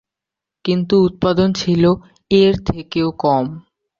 কিন্তু উৎপাদন ছিল এর থেকেও কম।